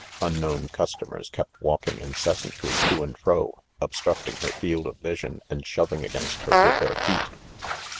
Unknown customers kept walking incessantly to and fro, obstructing her field of vision and shoving against her with their feet.